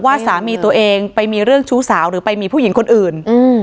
ว่าสามีตัวเองไปมีเรื่องชู้สาวหรือไปมีผู้หญิงคนอื่น